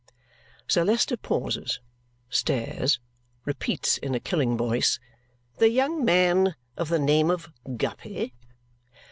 Sir Leicester pauses, stares, repeats in a killing voice, "The young man of the name of Guppy?"